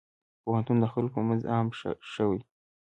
پوهنتون د خلکو په منځ عام شوی.